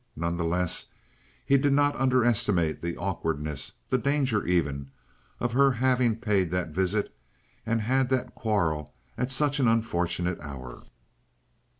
None the less, he did not underestimate the awkwardness, the danger even, of her having paid that visit and had that quarrel at such an unfortunate hour.